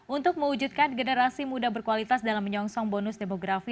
untuk mewujudkan generasi muda berkualitas dalam menyongsong bonus demografi